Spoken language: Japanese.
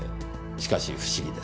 しかし不思議です。